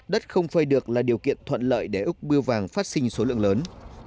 đất không phơi được là điều kiện thuận lợi để úc biêu vàng phát sinh số lượng lớn